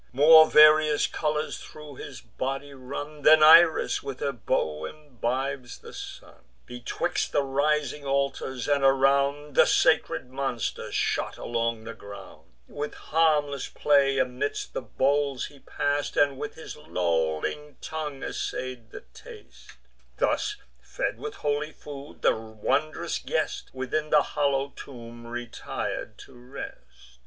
More various colours thro' his body run, Than Iris when her bow imbibes the sun. Betwixt the rising altars, and around, The sacred monster shot along the ground; With harmless play amidst the bowls he pass'd, And with his lolling tongue assay'd the taste: Thus fed with holy food, the wondrous guest Within the hollow tomb retir'd to rest.